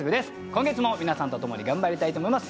今月も皆さんとともに頑張りたいと思います。